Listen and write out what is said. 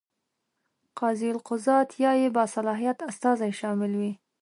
قاضي القضات یا یې باصلاحیت استازی شامل وي.